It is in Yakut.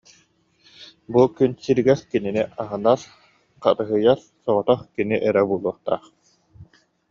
Бу күн сиригэр кинини аһынар, харыһыйар соҕотох кини эрэ буолуохтаах